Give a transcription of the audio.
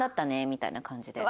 みたいな感じで。